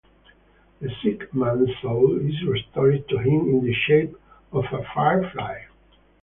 The sick man's soul is restored to him in the shape of a firefly.